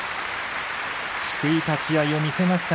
低い立ち合いを見せました。